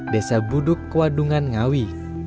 desa buduk kewadungan ngawi